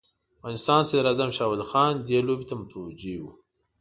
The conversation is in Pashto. افغانستان صدراعظم شاه ولي خان دې لوبې ته متوجه وو.